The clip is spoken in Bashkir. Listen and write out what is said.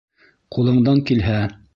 Ҡулыңдан килһә.